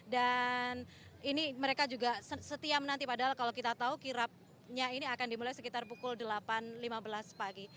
dan ini mereka juga setiam nanti padahal kalau kita tahu kirapnya ini akan dimulai sekitar pukul delapan lima belas pagi